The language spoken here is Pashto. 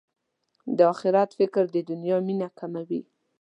د اخرت فکر د دنیا مینه کموي.